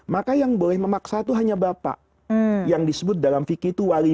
maka yang boleh memaksa itu hanya bapak yang disebut dalam fikir itu wali